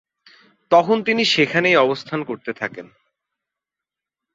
তখন তিনি সেখানেই অবস্থান করতে থাকেন।